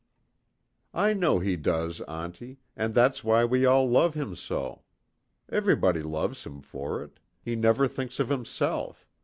"I know he does, auntie, and that's why we all love him so. Everybody loves him for it, He never thinks of himself.